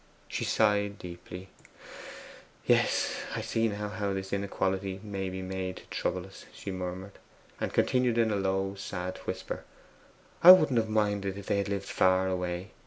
She sighed deeply. 'Yes, I see now how this inequality may be made to trouble us,' she murmured, and continued in a low, sad whisper, 'I wouldn't have minded if they had lived far away.